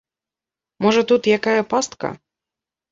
Можа, тут якая пастка?